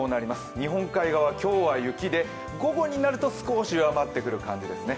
日本海側、今日は雪で午後になると少し弱まってくる感じですね。